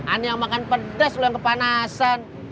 ani yang makan pedes lo yang kepanasan